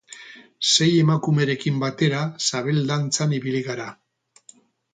Sei emakumerekin batera sabel-dantzan ibili gara.